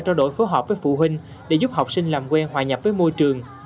trao đổi phối hợp với phụ huynh để giúp học sinh làm quen hòa nhập với môi trường